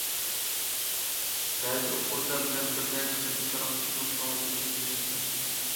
بەزى ئوقۇغۇچىلار بىلەن بىر نەچچە قېتىم پاراڭلىشىپمۇ كۆڭلىدىكىنى بىلمەك تەس.